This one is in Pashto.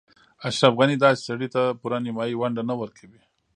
اشرف غني داسې سړي ته پوره نیمايي ونډه نه ورکوي.